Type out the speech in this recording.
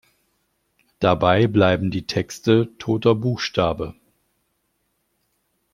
Dabei bleiben die Texte toter Buchstabe.